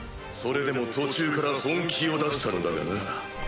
それでも途中から本気を出したのだがな。